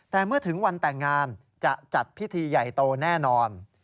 แต่เมื่อถึงวันแต่งงานจะจัดพิธีใหญ่โตแน่นอน